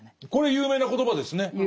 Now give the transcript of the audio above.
有名な言葉ですね。